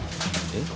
「えっ？」